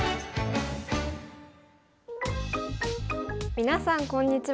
皆さんこんにちは。